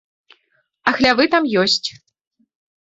А хлявы там ёсць.